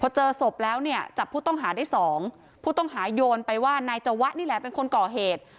พอเจอศพแล้วเนี่ยจับผู้ต้องหาได้สองผู้ต้องหาโยนไปว่านายจวะนี่แหละเป็นคนก่อเหตุ